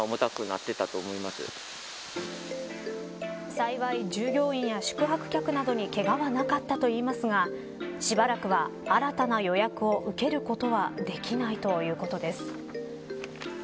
幸い、従業員や宿泊客などにけがはなかったといいますがしばらくは新たな予約を受けることはできないということです。